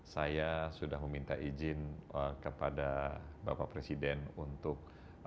saya sudah meminta izin kepada bapak presiden untuk